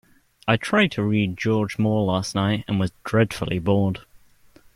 I tried to read George Moore last night, and was dreadfully bored.